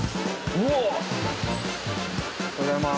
おはようございます。